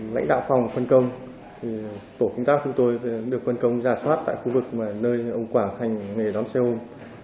lãnh đạo phòng phân công tổ công tác chúng tôi được phân công giả soát tại khu vực nơi ông quảng hành nghề đón xe ôm